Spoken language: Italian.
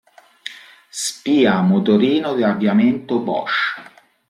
Spia motorino di avviamento Bosch.